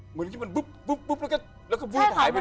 เหมือนมันบึ๊บแล้วก็บื๊บหายไปเลย